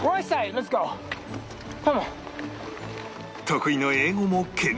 得意の英語も健在